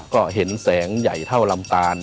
ก็เห็นแสงใหญ่เท่าลำตาล